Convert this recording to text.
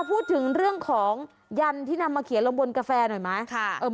พูดถึงเรื่องของยันที่นำมาเขียนลงบนกาแฟหน่อยไหม